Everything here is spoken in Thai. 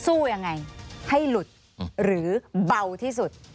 สู้ยังไงให้หลุดหรือเบาที่สุด